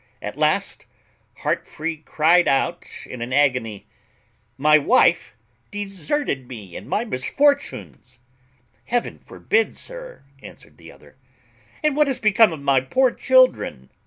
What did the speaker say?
At last Heartfree cryed out in an agony, "My wife deserted me in my misfortunes!" "Heaven forbid, sir!" answered the other. "And what is become of my poor children?"